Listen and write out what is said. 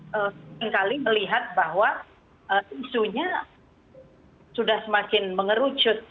seringkali melihat bahwa isunya sudah semakin mengerucut